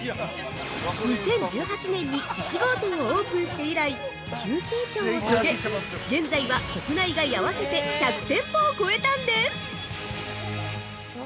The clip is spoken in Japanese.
２０１８年に１号店をオープンして以来、急成長を遂げ現在は、国内外あわせて１００店舗を超えたんです！